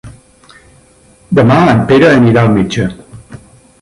Demà en Pere anirà al metge.